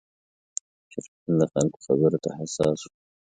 شېرګل د خلکو خبرو ته حساس و.